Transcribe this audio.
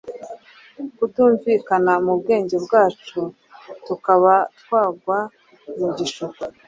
kitumvikana mu bwenge bwacu - tukaba twagwa mu gishuko